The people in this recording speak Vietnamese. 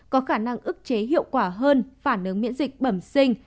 có khả năng ức chế hiệu quả hơn phản ứng miễn dịch bẩm sinh